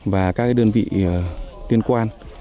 và các đơn vị liên quan